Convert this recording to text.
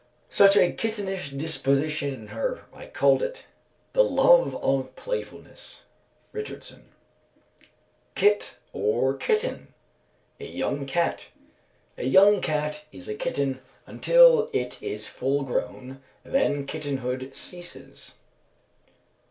"Such a kittenish disposition in her, I called it; ...the love of playfulness." RICHARDSON. Kit, or kitten. A young cat. A young cat is a kitten until it is full grown, then kittenhood ceases.